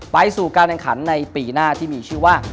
ไปสู่การแข่งขันในปีหน้าที่มีชื่อว่า